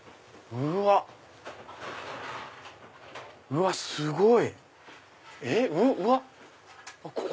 うわすごい！